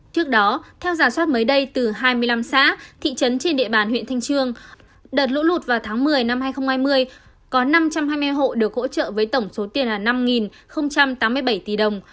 trước đó theo giả soát mới đây từ hai mươi năm xã thị trấn trên địa bàn huyện thanh trương đợt lũ lụt vào tháng một mươi năm hai nghìn hai mươi có năm trăm hai mươi hộ được hỗ trợ với tổng số tiền là năm tám mươi bảy tỷ đồng